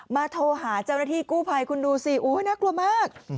โทรหาเจ้าหน้าที่กู้ภัยคุณดูสิโอ้ยน่ากลัวมาก